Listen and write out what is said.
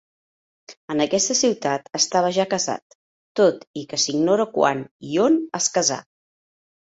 En aquesta ciutat estava ja casat, tot i que s'ignora quan i on es casà.